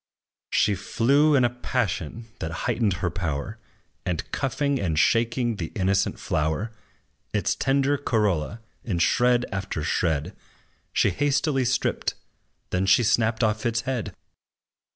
She flew in a passion that heightened her power, And, cuffing and shaking the innocent flower, Its tender corolla in shred after shred She hastily stripped, then she snapped off its head.